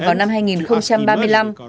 vào năm hai nghìn ba mươi năm